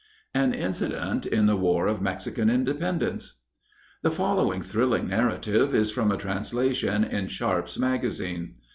AN INCIDENT IN THE WAR OF MEXICAN INDEPENDENCE. The following thrilling narrative is from a translation in Sharpe's Magazine.